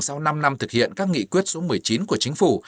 sau năm năm thực hiện các nghị quyết số một mươi chín của chính phủ